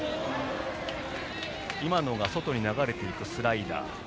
今のが外に流れていくスライダー。